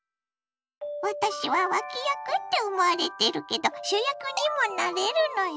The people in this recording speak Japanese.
「私は脇役って思われてるけど主役にもなれるのよ」。